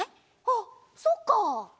あっそっか。